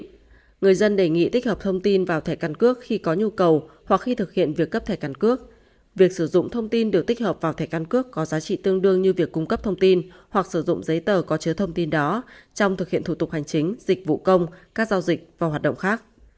vì vậy người dân đề nghị tích hợp thông tin vào thẻ căn cước khi có nhu cầu hoặc khi thực hiện việc cấp thẻ căn cước việc sử dụng thông tin được tích hợp vào thẻ căn cước có giá trị tương đương như việc cung cấp thông tin hoặc sử dụng giấy tờ có chứa thông tin đó trong thực hiện thủ tục hành chính dịch vụ công các giao dịch và hoạt động khác